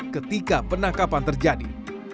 ketika penangkapan terjadi